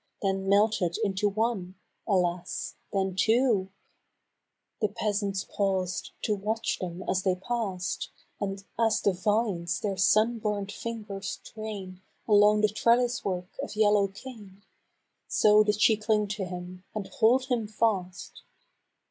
Then melted into one, alas 1 then two I A Dream of the South. 103 The peasants paused to watch them as they pass'd, And as the vines their sun burnt fingers train Along the treUis work of yellow cane, So did she cling to him, and hold him fast.